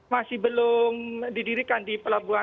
masih belum didirikan di pelabuhan